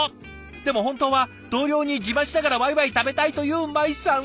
でも本当は同僚に自慢しながらワイワイ食べたいというマイさん。